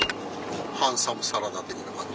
ハンサムサラダ的な感じ？